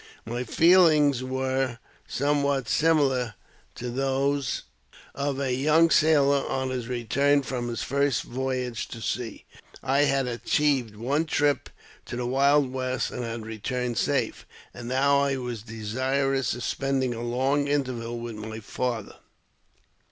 My feeUngs were somewhat similar to those of a young sailor on his return from his first voyage to sea. I had :achieved one trip to the wild West, and had returned safe, and now I was desirous of spending a long interval with my father.